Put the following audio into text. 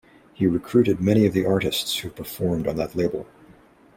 He recruited many of the artists who performed on that label.